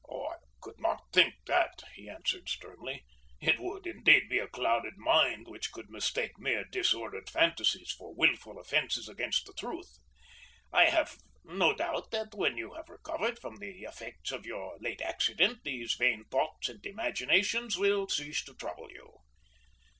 "I could not think that," he answered sternly. "It would indeed be a clouded mind which could mistake mere disordered fancies for willful offenses against the truth. I have no doubt that when you have recovered from the effects of your late accident these vain thoughts and imaginations will cease to trouble you."